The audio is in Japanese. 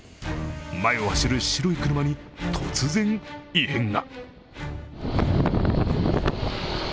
前を走る白い車に突然、異変が。